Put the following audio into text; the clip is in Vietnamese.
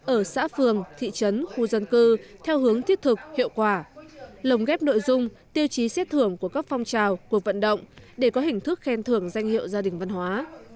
ở xã phường thị trấn khu dân cư theo hướng thiết thực hiệu quả lồng ghép nội dung tiêu chí xét thưởng của các phong trào cuộc vận động để có hình thức khen thưởng danh hiệu gia đình văn hóa